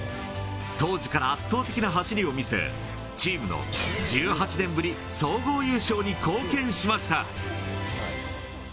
当時から圧倒的な走りを見せ、チームの１８年ぶり総合優勝に貢献しました。